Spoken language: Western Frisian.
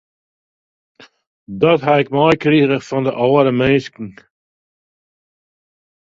Dat ha ik meikrige fan de âlde minsken.